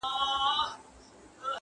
o غر غړې د اوښ عادت دئ!